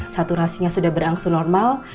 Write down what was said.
saturasinya sudah berangsu normal